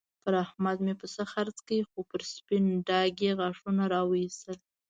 پر احمد مې پسه خرڅ کړ؛ خو پر سپين ډاګ يې غاښونه را واېستل.